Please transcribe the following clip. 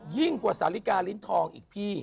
ยิ่งกว่าสาลิกาลิ้นทองอีกพี่